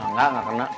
nggak nggak kena